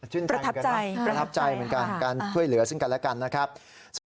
ชื่นทางเหมือนกันนะประทับใจเหมือนกันการช่วยเหลือชื่นกันและกันนะครับสวัสดีครับ